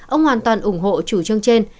ông hoàn toàn ủng hộ chủ chương trên